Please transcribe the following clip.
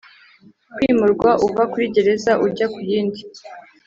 kwimurwa uva kuri Gereza ujya ku yindi